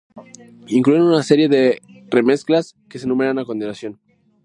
Incluían una serie de remezclas que se enumeran a continuación.